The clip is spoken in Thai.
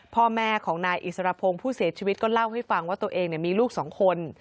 พ่อแม่ของนายอิสรพงศ์ผู้เสียชีวิตก็เล่าให้ฟังว่าตัวเองมีลูกสองคน